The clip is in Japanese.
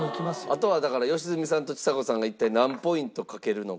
あとはだから良純さんとちさ子さんが一体何ポイントかけるのか。